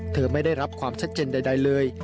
ไม่ได้รับความชัดเจนใดเลย